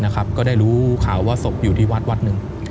ก็ได้รู้ข่าวว่าศพอยู่ที่วัดวัดหนึ่ง